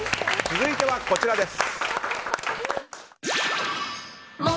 続いては、こちらです。